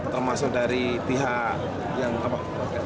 termasuk dari pihak yang apa